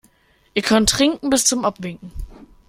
Ihr könnt trinken bis zum Abwinken.